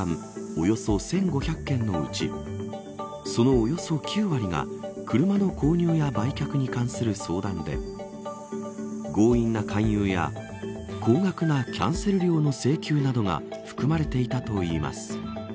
およそ１５００件のうちその、およそ９割が車の購入や売却に関する相談で強引な勧誘や高額なキャンセル料の請求などが含まれていたといいます。